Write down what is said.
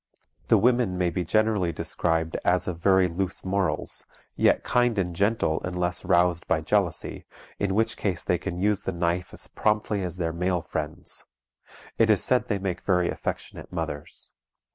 The women may be generally described as of very loose morals, yet kind and gentle unless roused by jealousy, in which case they can use the knife as promptly as their male friends. It is said they make very affectionate mothers.